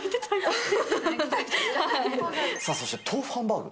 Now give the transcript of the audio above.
さあ、そして豆腐ハンバーグ。